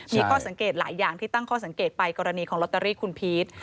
มีข้อสังเกตหลายอย่างที่ตั้งข้อสังเกตไปกรณีของลอตเตอรี่คุณพีช